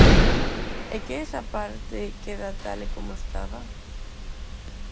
É que esa parte queda tal e como estaba.